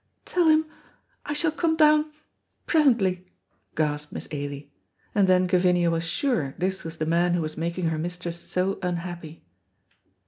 "Tell him I shall come down presently," gasped Miss Ailie, and then Gavinia was sure this was the man who was making her mistress so unhappy.